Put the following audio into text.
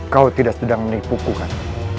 kau tidak sedang menipu ku kan